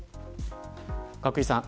角井さん